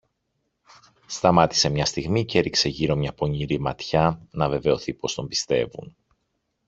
Σταμάτησε μια στιγμή κι έριξε γύρω μια πονηρή ματιά, να βεβαιωθεί πως τον πιστεύουν.